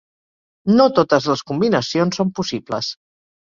No totes les combinacions són possibles.